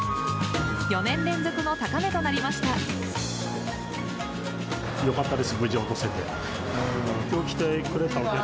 ４年連続の高値となりました。